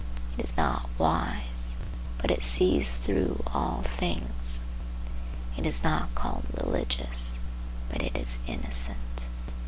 It is not wise, but it sees through all things. It is not called religious, but it is innocent.